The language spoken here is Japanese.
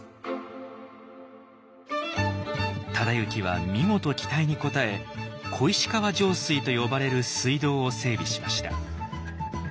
忠行は見事期待に応え「小石川上水」と呼ばれる水道を整備しました。